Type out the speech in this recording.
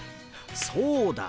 そうだ！